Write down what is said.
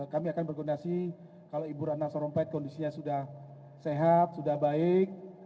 kami akan berkondasi kalau ibu rana sarompet kondisinya sudah sehat sudah baik